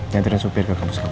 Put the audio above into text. nantikan supir ke kampus kamu